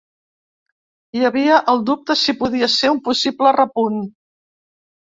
Hi havia el dubte si podia ser un possible repunt.